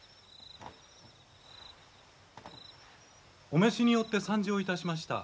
お召しによって参上いたしました。